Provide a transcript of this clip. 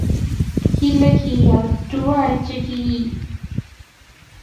Kele kial tuwai che kiee?